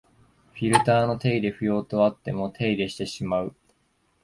フィルターの手入れ不要とあっても手入れしてしまう